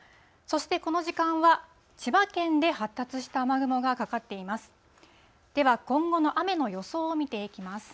そしてこの時間は、千葉県で発達した雨雲がかかっています。